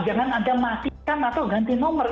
jangan anda matikan atau ganti nomor